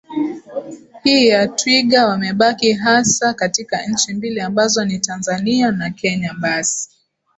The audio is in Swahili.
hii ya twiga wamebaki hasa katika nchi mbili ambazo ni Tanzania na Kenya basi